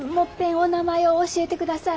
お名前う教えてください。